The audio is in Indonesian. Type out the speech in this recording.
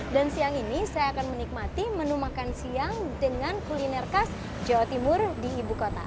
dan siang ini saya akan menikmati menu makan siang dengan kuliner khas jawa timur di ibu kota